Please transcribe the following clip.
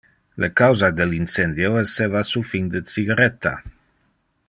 Le causa del incendio esseva su fin de cigaretta.